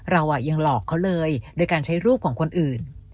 เรายังหลอกเขาเลยโดยการใช้รูปของคนอื่น